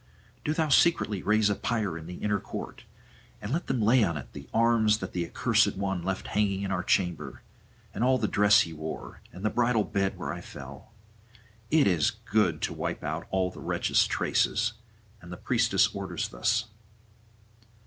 Do thou secretly raise a pyre in the inner court, and let them lay on it the arms that the accursed one left hanging in our chamber, and all the dress he wore, and the bridal bed where I fell. It is good to wipe out all the wretch's traces, and the priestess orders thus.'